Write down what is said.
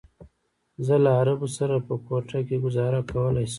زه له عربو سره په کوټه کې ګوزاره کولی شم.